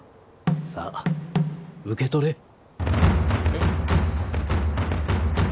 さあ受け取れ。え？